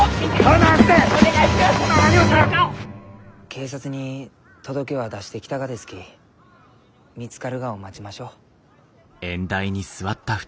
警察に届けは出してきたがですき見つかるがを待ちましょう。